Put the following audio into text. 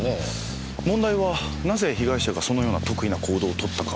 問題はなぜ被害者がそのような特異な行動を取ったか。